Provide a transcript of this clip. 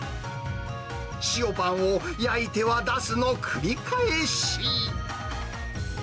塩パンを焼いては出すの繰り返し。